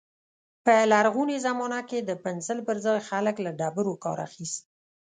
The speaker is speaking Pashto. په لرغوني زمانه کې د پنسل پر ځای خلک له ډبرو کار اخيست.